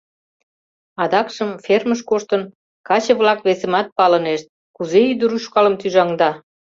Адакшым фермыш коштын, каче-влак весымат палынешт: кузе ӱдыр ушкалым тӱжаҥда?